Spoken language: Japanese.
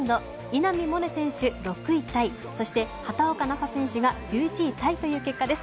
稲見萌寧選手、６位タイそして、畑岡奈紗選手が１１位タイという結果です。